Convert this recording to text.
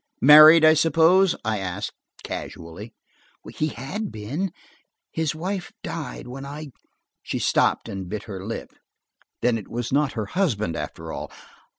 "Married, I suppose?" I asked casually. "He had been. His wife died when I–" She stopped and bit her lip. Then it was not her husband, after all!